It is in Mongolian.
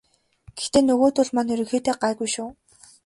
Гэхдээ нөгөөдүүл маань ерөнхийдөө гайгүй шүү.